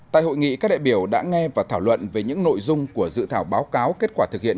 tại hội nghị các đại biểu đã nghe và thảo luận về những nội dung của dự thảo báo cáo kết quả thực hiện